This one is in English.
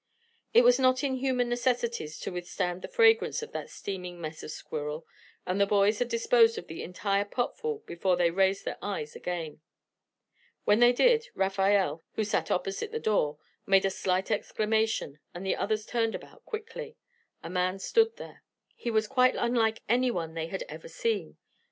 It was not in human necessities to withstand the fragrance of that steaming mess of squirrel, and the boys had disposed of the entire potful before they raised their eyes again. When they did, Rafael, who sat opposite the door, made a slight exclamation, and the others turned about quickly. A man stood there. He was quite unlike any one they had ever seen.